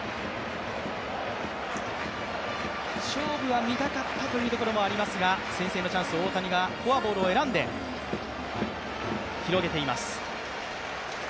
勝負は見たかったというところもありますが、先制のチャンス、大谷がフォアボールを選んで広げています。